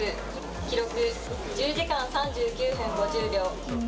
記録１０時間３９分５０秒。